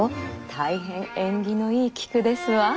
大変縁起のいい菊ですわ。